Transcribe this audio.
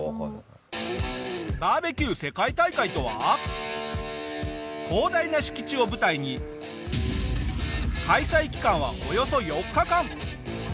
バーベキュー世界大会とは広大な敷地を舞台に開催期間はおよそ４日間！